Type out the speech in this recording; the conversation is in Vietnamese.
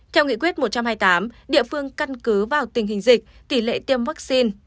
theo nghị quyết một trăm hai mươi tám địa phương căn cứ vào tình hình dịch tỷ lệ tiêm vaccine